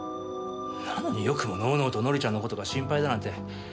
なのによくものうのうと紀ちゃんの事が心配だなんて。